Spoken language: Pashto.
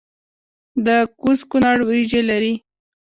د کوز کونړ وریجې لري